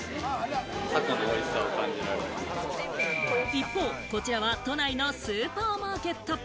一方、こちらは都内のスーパーマーケット。